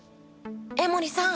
江守さん！